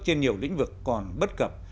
trên nhiều lĩnh vực còn bất cập